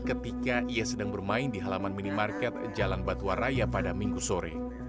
ketika ia sedang bermain di halaman minimarket jalan batuwaraya pada minggu sore